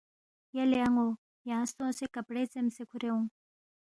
یلے ان٘و یانگ سونگسے کپڑے ژیمسے کُھورے اونگ